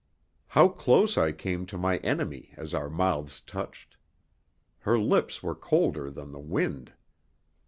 How close I came to my enemy as our mouths touched! Her lips were colder than the wind.